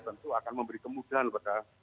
tentu akan memberi kemudahan pada